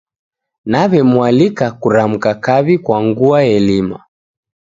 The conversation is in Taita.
Naw'emualika kuramka kaw'i kwa ngua elima.